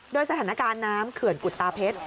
โดยสถานการณ์น้ำเขื่อนกุตาเพชร